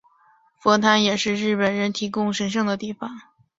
佛坛也是日本人供奉祖宗神位的地方。